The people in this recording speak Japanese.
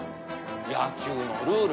野球のルール。